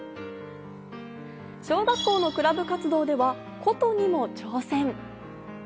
小学校のクラブ活動では琴にも挑戦。